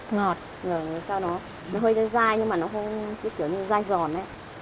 nó hơi dai nhưng mà nó không kiểu như dai giòn